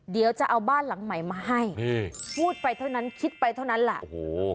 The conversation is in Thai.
เดี๋ยวจะเอาบ้านหลังใหม่มาให้พูดไปเท่านั้นคิดไปเท่านั้นแหละโอ้โห